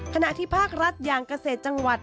ขณะที่ภาครัฐอย่างเกษตรจังหวัด